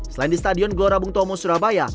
selain di stadion gelora bung tomo surabaya